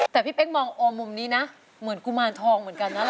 แต่พี่เป๊กมองมุมนี้นะเหมือนกุมารทองเหมือนกันนะ